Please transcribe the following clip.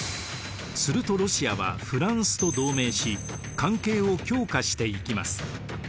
するとロシアはフランスと同盟し関係を強化していきます。